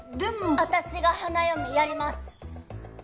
あたしが花嫁やります！